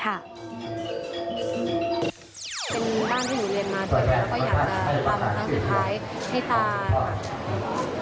เป็นบ้านที่อยู่เรียนมาแต่เราก็อยากจะฟังครั้งสุดท้ายให้ตา